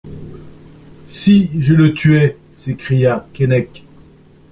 Si je le tuais ! s'écria Keinec.